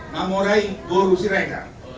namorai guru siregar